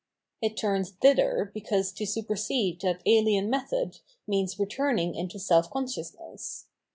It turns thither because to supersede that alien method means returning into self consciousness.